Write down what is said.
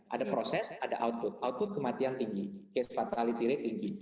ada proses ada output output kematian tinggi case fatality rate tinggi